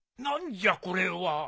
何じゃこれは？